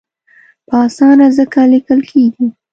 په اسانه ځکه لیکل کېږي.